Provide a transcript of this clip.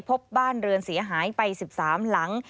พบบ้านเรือนเสียหายไป๑๓หลัง